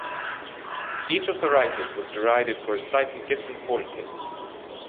Each of the writers was derided for a slightly different quality.